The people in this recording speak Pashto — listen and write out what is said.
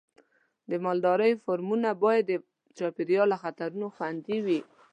د مالدارۍ فارمونه باید د چاپېریال له خطرونو خوندي وي.